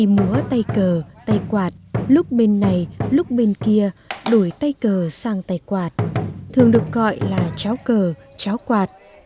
múa tay cờ tay quạt lúc bên này lúc bên kia đổi tay cờ sang tay quạt thường được gọi là cháo cờ cháo quạt